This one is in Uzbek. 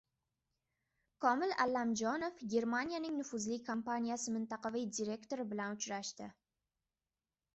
Komil Allamjonov Germaniyaning nufuzli kompaniyasi mintaqaviy direktori bilan uchrashdi